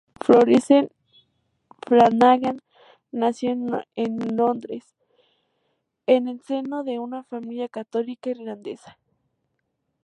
Florence Flanagan nació en Londres, en el seno de una familia católica irlandesa.